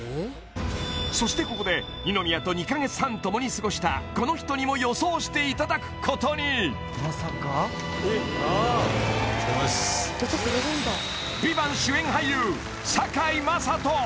そしてここで二宮と２か月半ともに過ごしたこの人にも予想していただくことにお疲れさまです「ＶＩＶＡＮＴ」主演俳優堺雅人